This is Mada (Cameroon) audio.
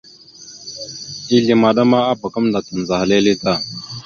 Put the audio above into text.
Ezle maɗa ma abak gamẹnda tandzəha lele da.